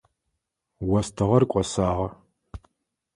Остыгъэр кӏосагъэ.